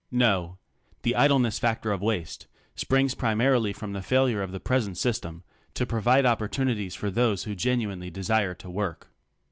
No. The idleness factor of waste springs primarily from the failure of the present system to provide opportunities for those who genuinely desire to work.